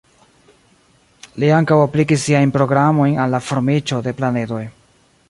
Li ankaŭ aplikis siajn programojn al la formiĝo de planedoj.